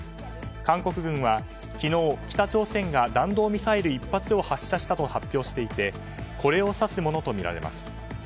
韓国軍は昨日北朝鮮が弾道ミサイル１発を発射したと発表していてこれを指すものとみられます。